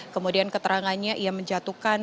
kemudian keterangannya ia menjatuhkan